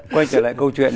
quay trở lại câu chuyện